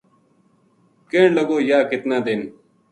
کہن لگو:”یاہ کتنا دن